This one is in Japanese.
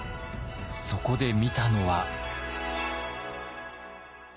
そこで見たのは。